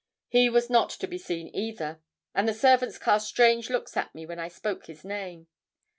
He was not to be seen either, and the servants cast strange looks at me when I spoke his name.